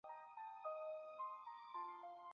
日本战国时代中期的阵旗多为方形旗。